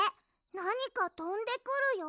なにかとんでくるよ。